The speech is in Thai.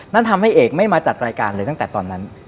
นั่นทำให้เอกไม่มาจัดรายการเลยตั้งแต่ตอนนั้น